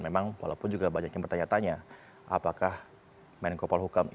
memang walaupun juga banyak yang bertanya tanya apakah menko polhukam